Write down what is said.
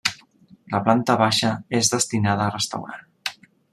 La planta baixa és destinada a restaurant.